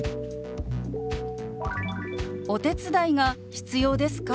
「お手伝いが必要ですか？」。